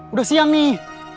udah siang nih